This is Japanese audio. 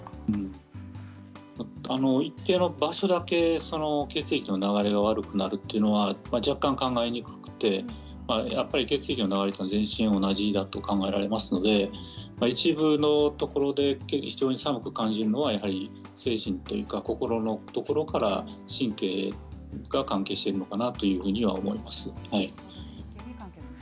一定の場所だけ血液の流れが悪くなるというのは若干、考えにくくて血液の流れは全身同じだと考えられますので一部のところで非常に寒く感じるのは精神というか、心のところから神経が関係してるのかなと思います。